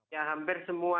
ya hampir seluruh dunia